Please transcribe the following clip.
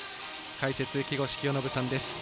解説、木越清信さんです。